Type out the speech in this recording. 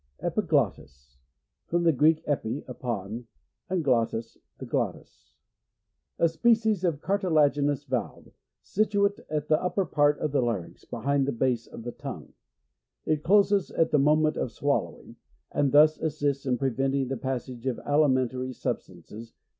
Epiglottis. — From the Greek, epi, upon, and glottis, the glottis. A species of cartilaginous valve, situ ate at the upper part of the larynx, behind the base of the tongue. It j closes at the moment ofs wallowing, I and thus assists in preventing the; passage of alimentary substances!